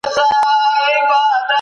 ایا ستا په ګاونډ کي څوک ناهیلي سوي دي؟